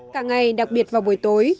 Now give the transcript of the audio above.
cả ngày đặc biệt vào buổi tối